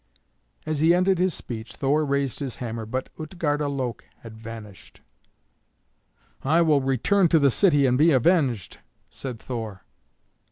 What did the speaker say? As he ended his speech, Thor raised his hammer, but Utgarda Loke had vanished. "I will return to the city, and be avenged," said Thor.